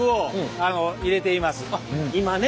今ね